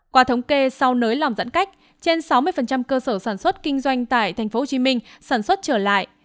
qua thống kê sau nới lỏng giãn cách trên sáu mươi cơ sở sản xuất kinh doanh tại tp hcm sản xuất trở lại